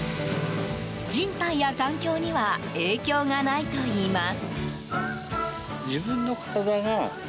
人体や環境には影響がないといいます。